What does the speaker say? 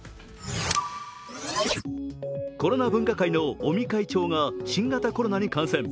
コロナ分科会の尾身会長が新型コロナに感染。